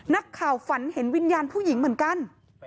ฝันเห็นวิญญาณผู้หญิงเหมือนกัน